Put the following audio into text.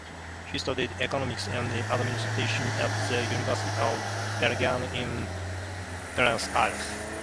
He studied economics and administration at the University of Belgrano in Buenos Aires.